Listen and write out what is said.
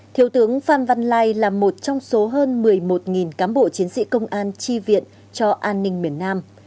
thiếu tướng phan văn lai là một trong số hơn một mươi một cán bộ chiến sĩ công an chi viện cho an ninh miền nam